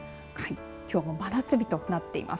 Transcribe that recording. きょうも真夏日となっています。